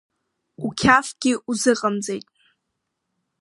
Уқьафгьы узыҟамҵеит.